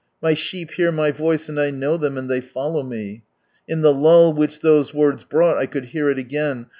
" My sheep hear My voice, and I know them, and they follow Me." In the lull which those words brought, I could hear it again.